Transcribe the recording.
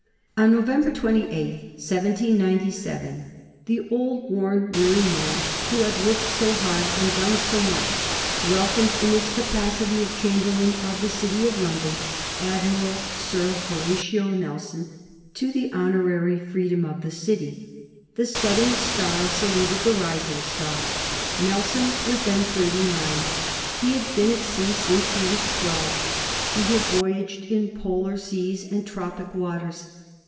[Sidenote: 1797 Death of Wilkes] On November 38, 1797, the old, worn, weary man, who had worked so hard and done so much, welcomed, in his capacity of Chamberlain of the City of London, Admiral Sir Horatio Nelson to the honorary freedom of the City. The setting star saluted the rising star. Nelson was then thirty nine. He had been at sea since he was twelve. He had voyaged in polar seas and tropic waters.